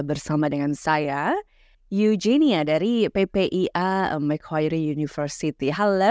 pembangunan ppi macquarie university